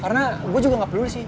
karena gue juga ga perlu sih